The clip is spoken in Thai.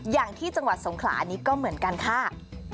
อย่างที่จังหวัดสงขลานี้ก็เหมือนกันค่ะ